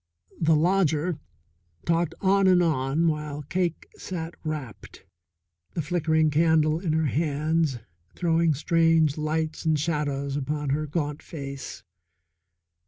The lodger talked on and on while Cake sat rapt, the flickering candle in her hands throwing strange lights and shadows upon her gaunt face.